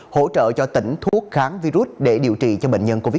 hỗ trợ cho tỉnh thuốc kháng virus để điều trị cho bệnh nhân covid một mươi